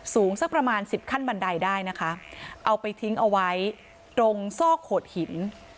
สูงสักประมาณสิบขั้นบันไดได้นะคะเอาไปทิ้งเอาไว้ตรงซอกโขดหิน